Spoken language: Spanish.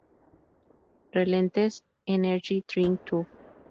Relentless Energy Drink tour.